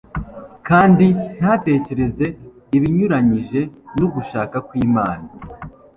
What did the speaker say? kandi ntatekereze ibinyuranyije n'ugushaka kw'imana